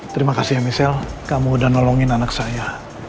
terima kasih ya michelle kamu udah nolongin anak saya